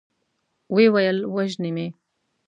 ويې ويل: وژني مې؟